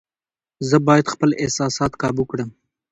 زه باید خپل احساسات قابو کړم.